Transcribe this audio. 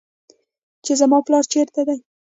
چې زما پلار چېرته دى.